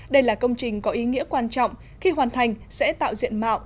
đây là công trình có ý nghĩa quan trọng khi hoàn thành sẽ tạo diện mạo